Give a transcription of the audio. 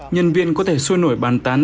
nhân viên có thể xuôi nổi bàn tán